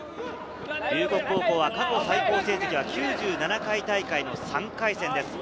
龍谷高校は過去最高成績が９７回大会の３回戦です。